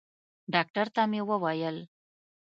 ډاکتر ته مې وويل.